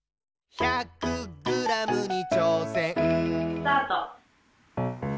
・スタート！